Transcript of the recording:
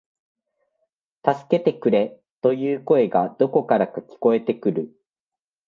助けてくれ、という声がどこからか聞こえてくる